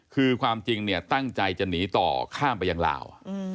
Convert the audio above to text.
คือความจริงตั้งใจจะหนีต่อข้ามไปยังลาว